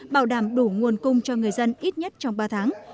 bảo đảm đủ nguồn cung cho người dân ít nhất trong ba tháng